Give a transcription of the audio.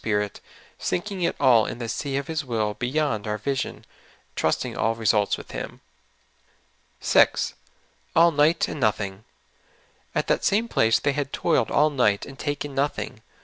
Spirit, sinking it all in the sea of His will beyond our vision, trusting all results with Him. 6. *' All night, and nothing. '' At that same place they had toiled all night and taken nothing.